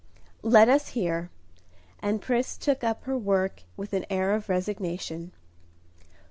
"Let us hear." And Pris took up her work with an air of resignation.